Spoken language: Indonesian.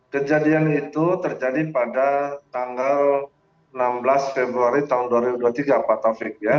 kejadian itu terjadi pada tanggal enam belas februari tahun dua ribu dua puluh